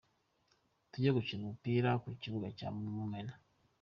Tujye gukina umupira ku kibuga cya mumena.